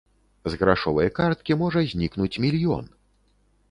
З грашовай карткі можа знікнуць мільён!